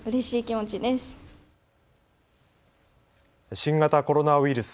新型コロナウイルス。